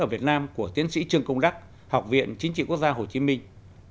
ở việt nam của tiến sĩ trương công đắc học viện chính trị quốc gia hồ chí minh